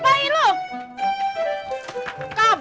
bengkelnya buka ga bang